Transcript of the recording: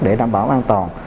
để đảm bảo an toàn